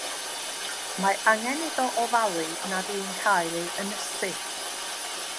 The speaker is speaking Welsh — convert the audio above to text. Mae angen iddo ofalu nad yw'n cael ei ynysu.